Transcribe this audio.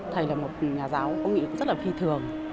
thầy là một nhà giáo có nghĩa rất là phi thường